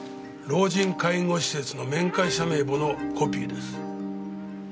老人介護施設の面会者名簿のコピーです。